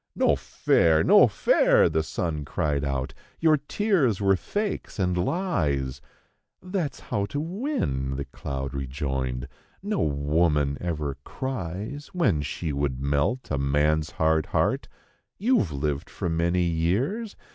"No fair; no fair!" the sun cried out; "your tears were fakes and lies; "That's how to win," the cloud rejoined, "No woman ever cries When she would melt a man's hard heart; you've lived for many years.